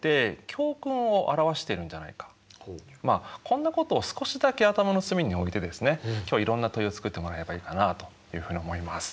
こんなことを少しだけ頭の隅に置いてですね今日はいろんな問いを作ってもらえばいいかなというふうに思います。